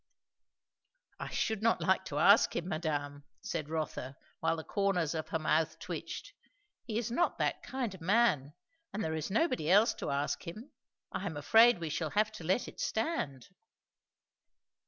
"I should not like to ask him, madame," said Rotha, while the corners of her mouth twitched. "He is not that kind of man. And there is nobody else to ask him. I am afraid we shall have to let it stand."